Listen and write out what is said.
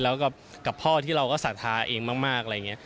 แล้วกับพ่อที่เราก็ศรัทธาเองมากอะไรอย่างนี้